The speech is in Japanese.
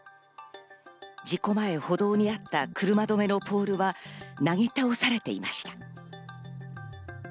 事故前、歩道にあった車止めのホールはなぎ倒されていました。